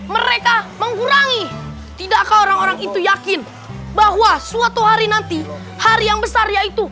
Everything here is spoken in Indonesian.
mereka mengurangi tidakkah orang orang itu yakin bahwa suatu hari nanti hari yang besar yaitu